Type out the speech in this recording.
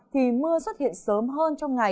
thì mưa xuất hiện sớm hơn trong ngày